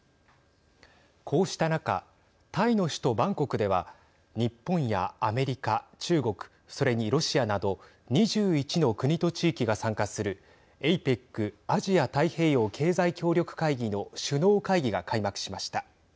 こうした中タイの首都バンコクでは日本やアメリカ、中国それにロシアなど２１の国と地域が参加するＡＰＥＣ＝アジア太平洋経済協力会議の首脳会議が開幕しました。